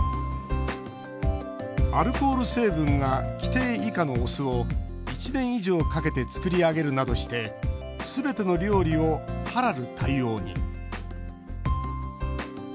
アルコール成分が規定以下のお酢を１年以上かけて作り上げるなどしてすべての料理をハラル対応に。